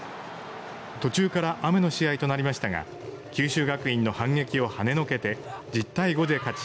途中から雨の試合となりましたが九州学院の反撃をはねのけて１０対５で勝ち